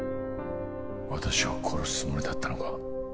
私を殺すつもりだったのか？